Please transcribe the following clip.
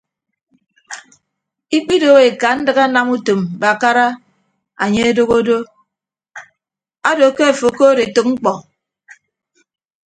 Ikpidoho ekandịk anam utom mbakara anye adoho do ado ke afo okood etәk mkpọ.